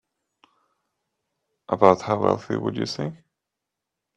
About how wealthy would you say?